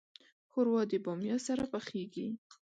ښوروا د بامیا سره پخیږي.